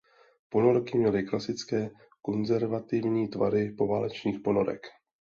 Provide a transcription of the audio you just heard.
Ponorky měly klasické konzervativní tvary poválečných ponorek.